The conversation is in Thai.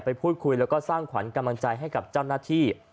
พูดคุยแล้วก็สร้างขวัญกำลังใจให้กับเจ้าหน้าที่